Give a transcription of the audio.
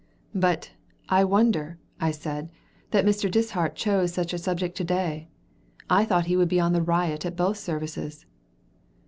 "But, I wonder," I said, "that Mr. Dishart chose such a subject to day. I thought he would be on the riot at both services."